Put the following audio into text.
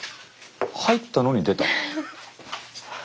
入ったのに出た。